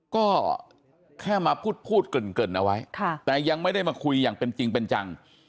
ก็แค่มาพูดเกริ่นเอาไว้แต่ยังไม่ได้มาคุยอย่างเป็นจริงเป็นจัง